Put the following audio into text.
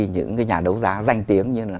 những cái nhà đấu giá danh tiếng như là